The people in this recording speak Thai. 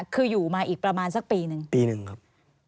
คืออยู่มาอีกประมาณสักปีหนึ่งปีหนึ่งครับ